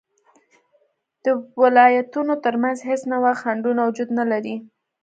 د ولایتونو تر منځ هیڅ نوعه خنډونه وجود نلري